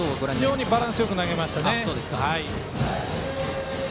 非常にバランスよく投げましたね。